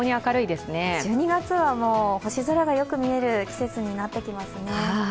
１２月は星空がよく見える季節になってきますね。